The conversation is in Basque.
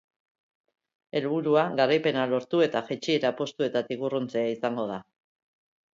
Helburua, garaipena lortu eta jaitsiera postuetatik urruntzea izango da.